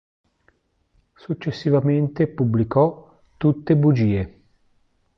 Successivamente pubblicò "Tutte bugie".